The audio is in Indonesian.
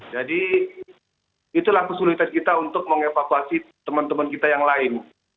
jadi itulah kesulitan kita untuk mengevakuasi teman teman kita yang lain